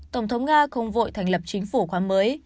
tổng thống nga không vội thành lập chính phủ khóa mới